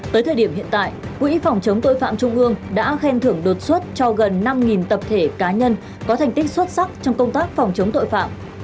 tới thời điểm hiện tại quỹ phòng chống tội phạm trung ương đã khen thưởng đột xuất cho gần năm tập thể cá nhân có thành tích xuất sắc trong công tác phòng chống tội phạm